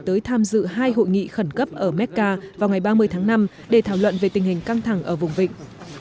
tới tham dự hai hội nghị khẩn cấp ở mecca vào ngày ba mươi tháng năm để thảo luận về tình hình căng thẳng ở vùng vịnh